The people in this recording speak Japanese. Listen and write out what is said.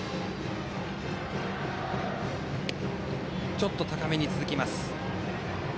ちょっと高めが続きました。